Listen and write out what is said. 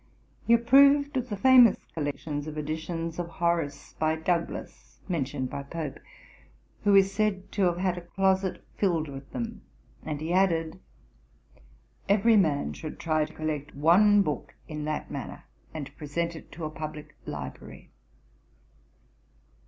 He approved of the famous collection of editions of Horace by Douglas, mentioned by Pope, who is said to have had a closet filled with them; and he added, 'every man should try to collect one book in that manner, and present it to a publick library.'